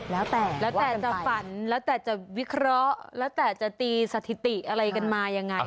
แล้วแต่แล้วแต่จะฝันแล้วแต่จะวิเคราะห์แล้วแต่จะตีสถิติอะไรกันมายังไง